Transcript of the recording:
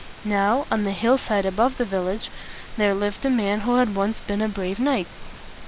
Now, on the hill side above the village, there lived a man who had once been a brave knight.